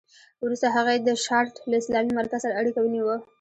وروسته هغې د شارليټ له اسلامي مرکز سره اړیکه ونیوه